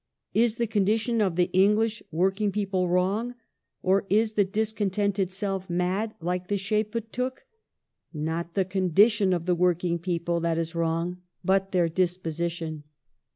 ... Is the condition of the English work ing people wrong ?... Or is the discontent itself mad like the shape it took ? Not the condition of the working people that is wrong, but their disposition.